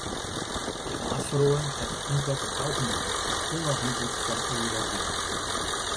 Klimaatferoaring hat in ympekt op elkenien, ûnôfhinklik fan ideology.